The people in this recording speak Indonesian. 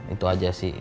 itu aja sih